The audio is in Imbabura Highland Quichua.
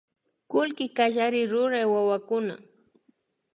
Kullki kallarik rurya wawakuna